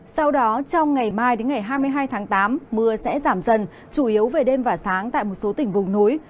sau đó trong ngày mai đến ngày hai mươi hai tháng tám mưa sẽ giảm dần chủ yếu về đêm và sáng tại một số tỉnh vùng núi